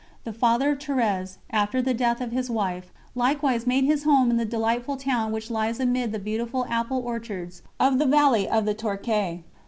The Father of Thérèse, after the death of his wife, likewise made his home in the delightful town which lies amid the beautiful apple orchards of the valley of the Touques.